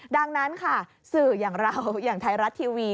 ดังนั้นค่ะสื่ออย่างเราอย่างไทยรัฐทีวี